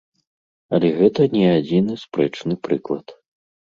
Але гэта не адзіны спрэчны прыклад.